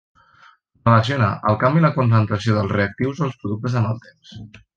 Relaciona el canvi en la concentració dels reactius o els productes amb el temps.